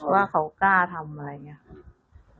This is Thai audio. ว่าเขากล้าทำอะไรอย่างนี้